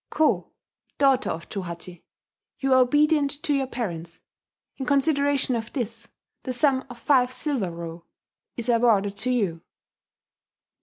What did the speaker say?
Ko, daughter of Chohachi, you are obedient to your parents: in consideration of this, the sum of five silver ryo is awarded to you."